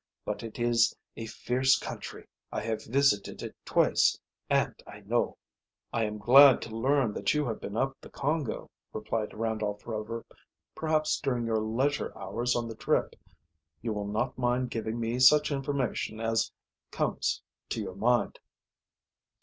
But it is a fierce country. I have visited it twice, and I know." "I am glad to learn that you have been up the Congo," replied Randolph Rover. "Perhaps during your leisure hours on the trip you will not mind giving me such information as conics to your mind."